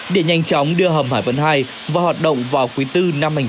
để nhanh chóng đưa hầm hải vân hai vào hoạt động vào quý bốn năm hai nghìn hai mươi